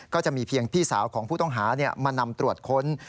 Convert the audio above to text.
ก็จะมีเพียงพี่สาวของผู้ต้องหามานำตรวจค้น